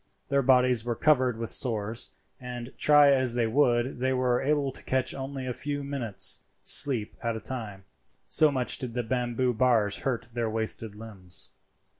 Their bodies were covered with sores, and try as they would they were able to catch only a few minutes' sleep at a time, so much did the bamboo bars hurt their wasted limbs.